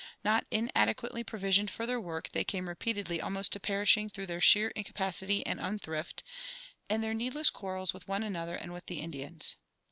Not inadequately provisioned for their work, they came repeatedly almost to perishing through their sheer incapacity and unthrift, and their needless quarrels with one another and with the Indians.